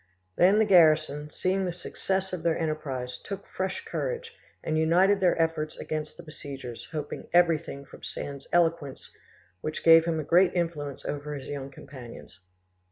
Then the garrison, seeing the success of their enterprise, took fresh courage, and united their efforts against the besiegers, hoping everything from Sand's eloquence, which gave him a great influence over his young companions.